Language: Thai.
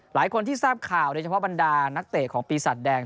หลายคนที่ทราบข่าวโดยเฉพาะบรรดานักเตะของปีศาจแดง